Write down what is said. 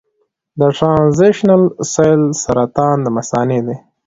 د ټرانزیشنل سیل سرطان د مثانې دی.